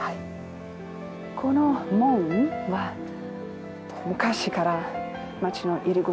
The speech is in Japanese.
この門は昔から町の入り口。